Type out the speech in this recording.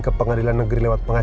ke pengadilan negeri lewat pengadilan